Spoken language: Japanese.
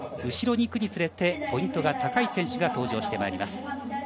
後ろにいくにつれてポイントが高い選手が登場してまいります。